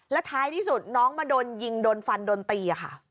และท้ายที่สุดน้องมาด้วยยิงดนฟันดนตี